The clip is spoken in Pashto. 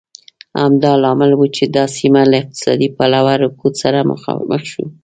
همدا لامل و چې دا سیمه له اقتصادي پلوه رکود سره مخ شوه.